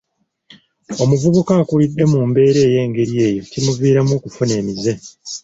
Omuvubuka akulidde mu mbeera ey'engeri eyo kimuviiramu okufuna emize.